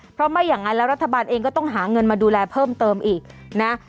เพราะไม่อย่างนั้นแล้วรัฐบาลเองก็ต้องหาเงินมาดูแลเพิ่มเติมอีกนะ